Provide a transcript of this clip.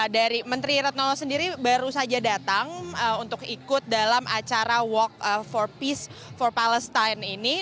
dari menteri retno sendiri baru saja datang untuk ikut dalam acara walk for peace for palestine ini